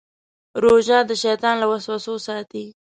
روژه د شیطان له وسوسو ساتي.